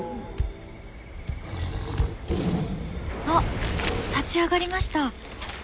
あっ立ち上がりました。